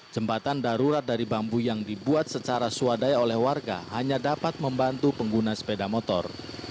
jembatan darurat dari bambu yang dibuat secara swadaya oleh warga hanya dapat membantu pengguna sepeda motor